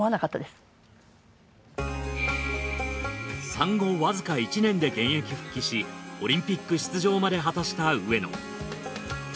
産後わずか１年で現役復帰しオリンピック出場まで果たした上野。